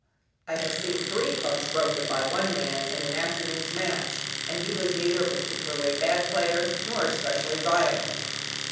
I have seen three clubs broken by one man in an afternoon's match, and he was neither a particularly bad player, nor especially violent.